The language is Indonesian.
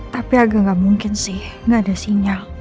tapi agak gak mungkin sih gak ada sinyal